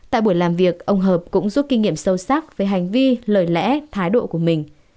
tại buổi làm việc ông hợp cũng giúp kinh nghiệm sâu sắc về hành vi lời lẽ thái độ của mình